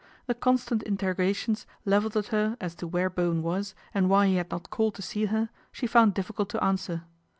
The constant interrogations levelled at her as to where Bowen was, and why he had not called to see her, she found difficult to answer.